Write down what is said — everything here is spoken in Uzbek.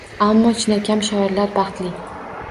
Ammo chinakam shoirlar baxtli.